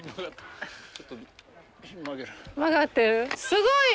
すごい！